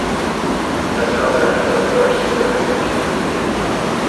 As Falconer had no horse, he remained in camp.